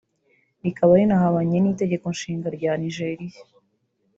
rikaba rinahabanye n’itegeko nshinga rya Nijeriya